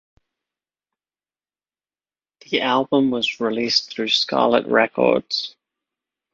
The album was released through Scarlet Records.